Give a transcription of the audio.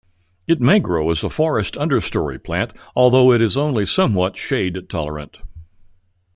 It may grow as a forest understory plant, although it is only somewhat shade-tolerant.